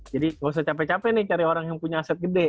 jadi gak usah capek capek nih cari orang yang punya aset gede